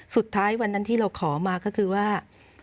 สุดท้ายวันนั้นที่เราขอมาก็คือว่า